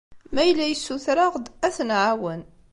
Ma yella yessuter-aɣ-d, ad t-nɛawen.